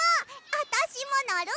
あたしものる！